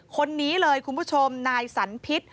คนนี้เลยคุณผู้ชมนายสันพิษ